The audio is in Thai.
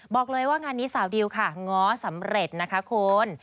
บอกเลยว่างานนี้สาวดิวค่ะง้อสำเร็จนะคะคุณ